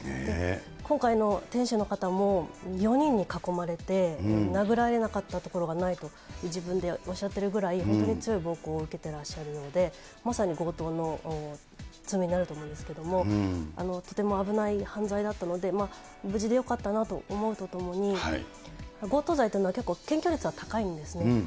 今回の店主の方も、４人に囲まれて殴られなかった所がないと、自分でおっしゃってるぐらい、本当に強い暴行を受けてらっしゃるので、まさに強盗の罪になると思うんですけれども、とても危ない犯罪だったので、無事でよかったなと思うとともに、強盗罪というのは結構、検挙率は高いんですね。